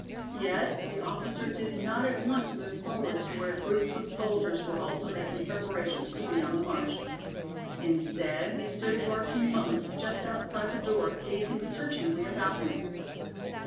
Yet the officer did not at once move forward to where groups of soldiers were also making preparations to be on the march. Instead he stood for a few moments just outside the door, gazing searchingly about him.